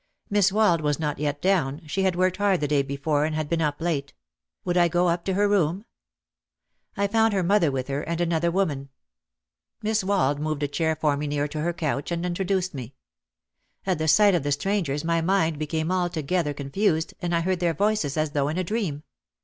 Miss Wald was not yet down, she had worked hard the day before and had been up late; would I go OUT OF THE SHADOW 277 up to her room? I found her mother with her and an other woman. Miss Wald moved a chair for me near to her couch and introduced me. At the sight of the strangers my mind became altogether confused and I heard their voices as though in a dream.